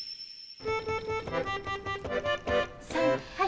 さんはい！